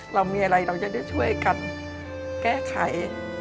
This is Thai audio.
เรามีอะไรเคยได้ช่วยการแก้ไข